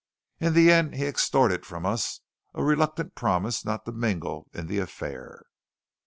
In the end he extorted from us a reluctant promise not to mingle in the affair.